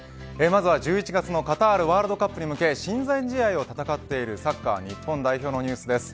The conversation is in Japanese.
まずは１１月のカタールワールドカップに向け親善試合を戦っているサッカー日本代表のニュースです。